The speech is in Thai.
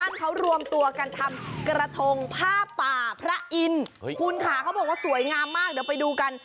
รวมตัวกันทำกระทงผ้าป่าพระอินทร์คุณค่ะเขาบอกว่าสวยงามมากเดี๋ยวไปดูกัน